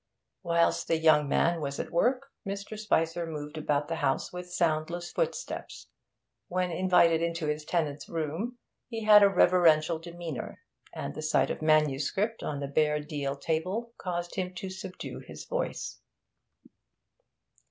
Whilst the young man was at work Mr. Spicer moved about the house with soundless footsteps. When invited into his tenant's room he had a reverential demeanour, and the sight of manuscript on the bare deal table caused him to subdue his voice.